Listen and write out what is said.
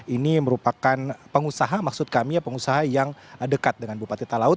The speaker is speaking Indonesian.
ini merupakan pengusaha maksud kami ya pengusaha yang dekat dengan bupati talaut